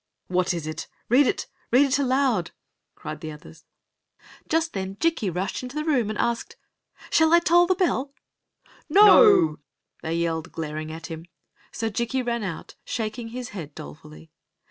"What is it? Read it ! Read it aloud 1 " cried the otibers. J Story of the Magic Cloak 27 Just then Jikki rushed into the room and asked; "Shall I toll the bell?" "No!" they yelled, glaring at him; so Jikki ran out, shaking his head dolefully.